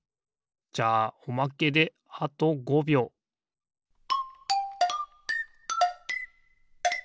じゃあおまけであと５びょうピッ！